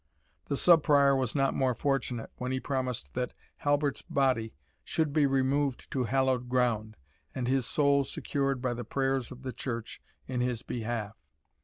The Sub Prior was not more fortunate, when he promised that Halbert's body "should be removed to hallowed ground, and his soul secured by the prayers of the Church in his behalf."